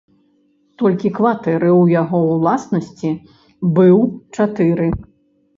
Толькі кватэры ў яго ўласнасці быў чатыры.